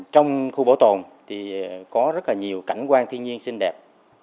trong khu bảo tồn thì có rất là nhiều cảnh quan thiên nhiên xinh đẹp